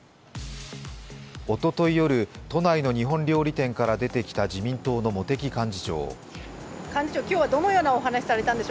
一昨日夜、都内の日本料理店から出てきた自民党の茂木幹事長。